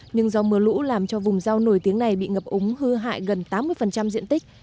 nhưng do mưa lũ làm cho vùng rau nổi tiếng này bị ngập úng hư hại gần tám mươi diện tích